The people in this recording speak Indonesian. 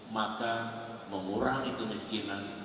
maka mengurangi kemiskinan